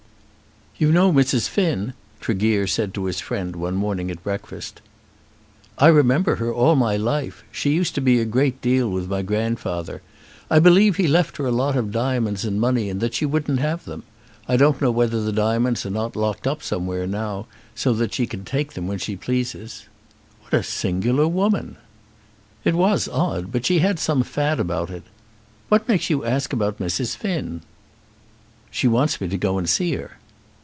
"You know Mrs. Finn?" Tregear said to his friend one morning at breakfast. "I remember her all my life. She used to be a great deal with my grandfather. I believe he left her a lot of diamonds and money, and that she wouldn't have them. I don't know whether the diamonds are not locked up somewhere now, so that she can take them when she pleases." "What a singular woman!" "It was odd; but she had some fad about it. What makes you ask about Mrs. Finn?" "She wants me to go and see her."